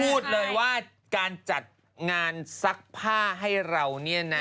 พูดเลยว่าการจัดงานซักผ้าให้เราเนี่ยนะ